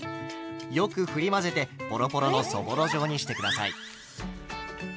よくふり混ぜてポロポロのそぼろ状にして下さい。